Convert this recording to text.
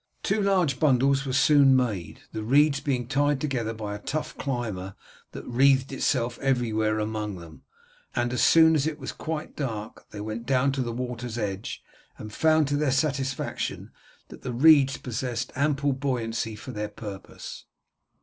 Two large bundles were soon made, the reeds being tied together by a tough climber that wreathed itself everywhere among them, and as soon as it was quite dark they went down to the water's edge, and found to their satisfaction that the reeds possessed ample buoyancy for their purpose.